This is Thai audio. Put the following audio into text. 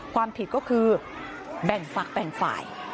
ความผิดก็คือแบ่งฝักแบ่งฝ่าย